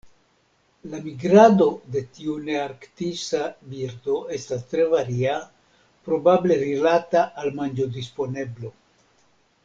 La migrado de tiu nearktisa birdo estas tre varia, probable rilata al manĝodisponeblo.